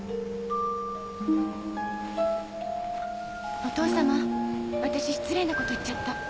お父様私失礼なこと言っちゃった。